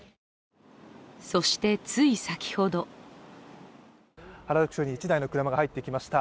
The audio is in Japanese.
そして、つい先ほど原宿署に１台の車が入ってきました。